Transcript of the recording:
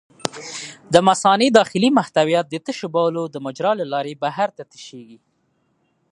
د مثانې داخلي محتویات د تشو بولو د مجرا له لارې بهر ته تشېږي.